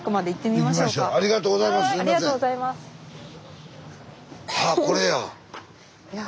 あこれや。